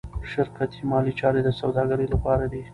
شرکتي مالي چارې د سوداګرۍ لپاره دي.